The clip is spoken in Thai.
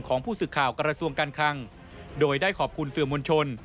ของผู้สื่อข่าวกระทรวงการคังโดยได้ขอบคุณสื่อมวลชน